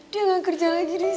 dia gak kerja lagi disini